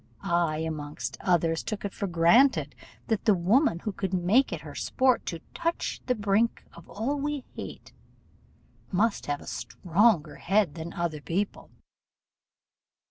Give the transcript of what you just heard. I, amongst others, took it for granted, that the woman who could make it her sport to 'touch the brink of all we hate,' must have a stronger head than other people.